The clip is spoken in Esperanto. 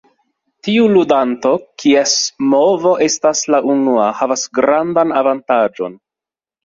Tiu ludanto, kies movo estas la unua, havas grandan avantaĝon.